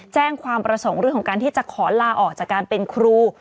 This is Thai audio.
แจ้งความประสงค์เรื่องของการที่จะขอลาออกจากการเป็นครู